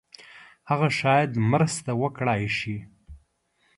هغه شاید مرسته وکړای شي.